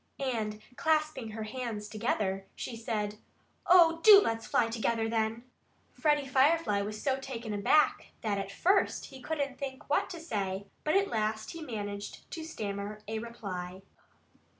And clasping her hands together, she said: "Oh, do let's fly together, then!" Freddie Firefly was so taken aback that at first he couldn't think what to say. But at last he managed to stammer a reply.